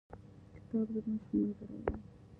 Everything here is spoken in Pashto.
کتاب زموږ ښه ملگری دی.